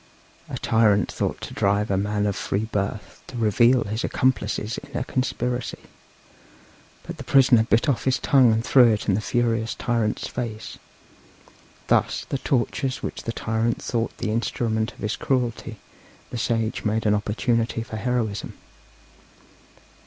A tyrant thought to drive a man of free birth to reveal his accomplices in a conspiracy, but the prisoner bit off his tongue and threw it into the furious tyrant's face; thus, the tortures which the tyrant thought the instrument of his cruelty the sage made an opportunity for heroism.